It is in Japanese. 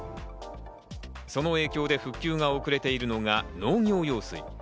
その影響で復旧が遅れているのが農業用水。